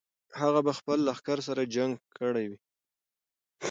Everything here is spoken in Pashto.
هغه به خپل لښکر سره جنګ کړی وي.